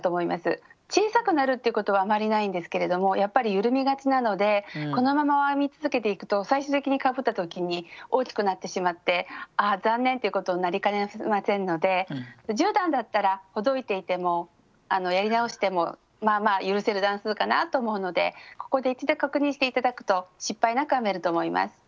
小さくなるっていうことはあまりないんですけれどもやっぱり緩みがちなのでこのまま編み続けていくと最終的にかぶった時に大きくなってしまってああ残念っていうことになりかねませんので１０段だったらほどいていてもやり直してもまあまあ許せる段数かなと思うのでここで一度確認して頂くと失敗なく編めると思います。